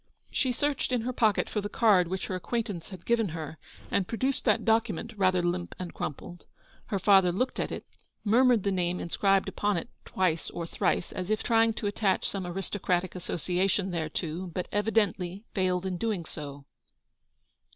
She searched in her pocket for the card which her acquaintance had given her, and produced that document, rather limp and crumpled. Her father looked at it, murmured the name inscribed upon it twice or thrice, as if trying to attach some aristocratic association thereto, but evi dently failed in doing so.